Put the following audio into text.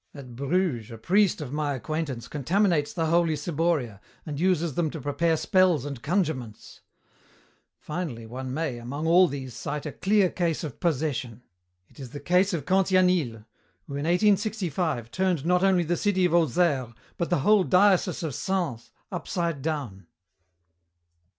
At Bruges a priest of my acquaintance contaminates the holy ciboria and uses them to prepare spells and conjurements. Finally one may, among all these, cite a clear case of possession. It is the case of Cantianille, who in 1865 turned not only the city of Auxerre, but the whole diocese of Sens, upside down.